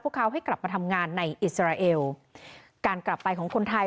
เขาให้กลับมาทำงานในอิสราเอลการกลับไปของคนไทย